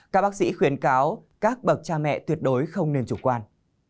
các bác sĩ khuyến cáo các bậc cha mẹ tuyệt đối không nên chủ quan